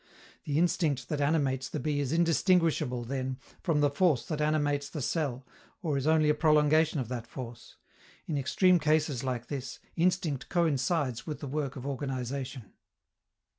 The instinct that animates the bee is indistinguishable, then, from the force that animates the cell, or is only a prolongation of that force. In extreme cases like this, instinct coincides with the work of organization.